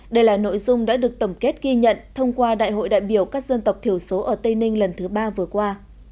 đây là nội dung đã được tổng kết ghi nhận thông qua đại hội đại biểu các dân tộc thiểu số ở tây ninh lần thứ ba vừa qua